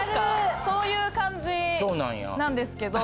そういう感じなんですけど。